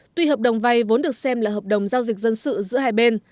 tuy hợp đồng vay vốn được xem là hợp đồng giao dịch dân sự giữa hai bên